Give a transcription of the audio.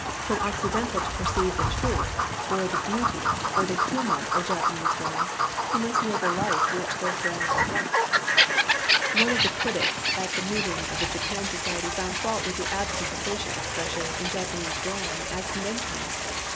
For an Occidental to perceive the truth, or the beauty, or the humor of Japa nese drawings, he must know the life which those drawings reflect. One of the critics at the meeting of the Japan Society found fault with the absence of facial expression in Japanese drawing as conventional.